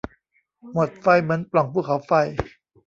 หมดไฟเหมือนปล่องภูเขาไฟ